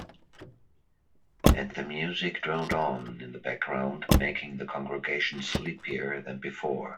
And the music droned on in the background making the congregation sleepier than before.